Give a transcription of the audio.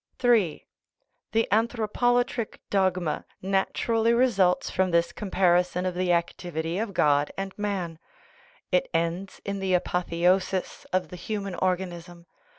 III. The anthropolatric dogma naturally results from this comparison of the activity of God and man ; it ends in the apotheosis of the human organism.